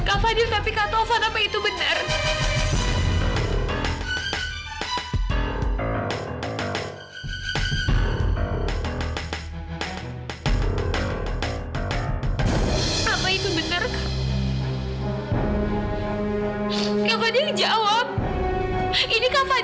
kau fadil fadil apa kak